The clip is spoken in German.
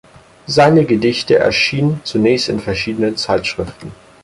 Seine Gedichte erschienen zunächst in verschiedenen Zeitschriften.